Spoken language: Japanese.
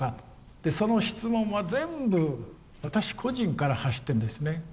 でその質問は全部私個人から発してんですね。